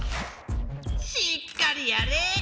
しっかりやれ！